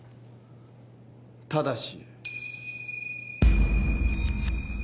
ただし。